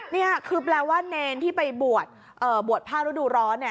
นี่คือแปลว่าเนรที่ไปบวชผ้าฤดูร้อนเนี่ย